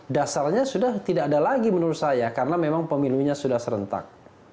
dasarnya sudah tidak ada lagi menurut saya karena memang pemilunya sudah serentak